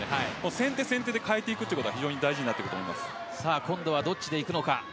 先手先手で変えていくことが非常に大事になってくると今度はどっちに来るのか。